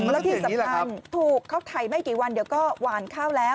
แล้วที่สำคัญถูกเขาถ่ายไม่กี่วันเดี๋ยวก็หวานข้าวแล้ว